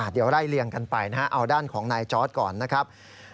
เดี๋ยวไล่เลี่ยงกันไปนะฮะเอาด้านของนายจอร์ดก่อนนะครับ